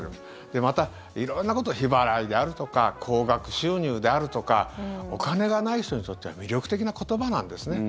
また、色んなこと日払いであるとか高額収入であるとかお金がない人にとっては魅力的な言葉なんですね。